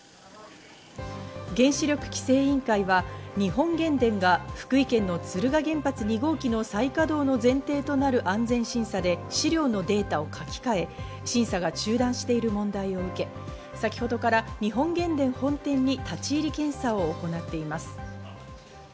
原子力規制委員会は日本原電が福井県の敦賀原発２号機の再稼働の前提となる安全審査で資料のデータを書き換え、審査が中断している問題を受け、さきほどから日本原電本店に立ち入り検査を行っています。